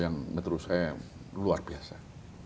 yang menurut saya luar biasa